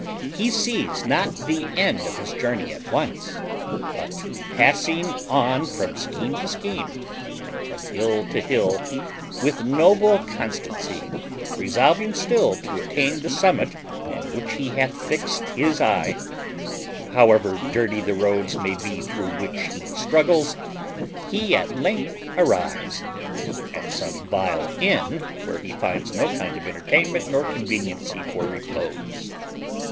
He sees not the end of his journey at once; but, passing on from scheme to scheme, and from hill to hill, with noble constancy, resolving still to attain the summit on which he hath fixed his eve, however dirty the roads may be through which he struggles, he at length arrives at some vile inn, where he finds no kind of entertainment nor conveniency for repose.